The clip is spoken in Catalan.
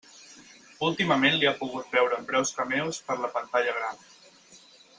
Últimament l'hi ha pogut veure en breus cameos per a la pantalla gran.